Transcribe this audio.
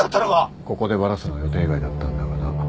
ここでバラすのは予定外だったんだがな。